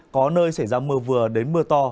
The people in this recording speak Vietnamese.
có nơi xảy ra mưa vừa đến mưa to